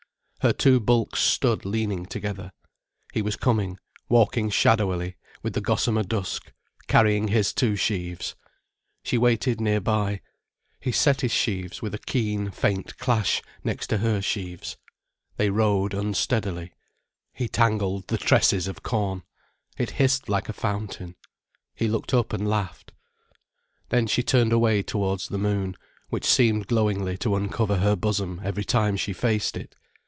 Her two bulks stood leaning together. He was coming, walking shadowily with the gossamer dusk, carrying his two sheaves. She waited nearby. He set his sheaves with a keen, faint clash, next to her sheaves. They rode unsteadily. He tangled the tresses of corn. It hissed like a fountain. He looked up and laughed. Then she turned away towards the moon, which seemed glowingly to uncover her bosom every time she faced it.